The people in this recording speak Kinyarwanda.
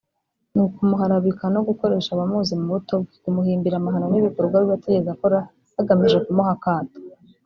ni ukumuharabika no gukoresha abamuzi mu buto bwe kumuhimbira amahano n’ibikorwa bibi atigeze akora bagamije kumuha akato